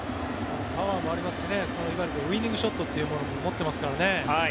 パワーもありますしウィニングショットというのを持っていますからね。